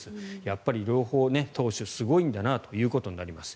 やっぱり両方、投手すごいんだなとなります。